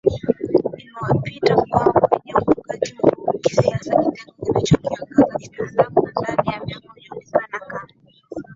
imepita kwenye wakati mgumu kisiasa Kitengo alichokiongoza kitaalamu na ndani ya vyama hujulikana kama